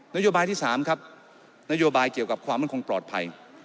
โยบายที่๓ครับนโยบายเกี่ยวกับความมั่นคงปลอดภัย